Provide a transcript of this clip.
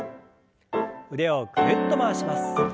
腕をぐるっと回します。